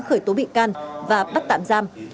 khởi tố bị can và bắt tạm giam